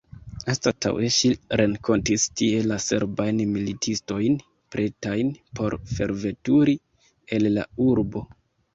Anstataŭe, ŝi renkontis tie la serbajn militistojn, pretajn por forveturi el la urbo.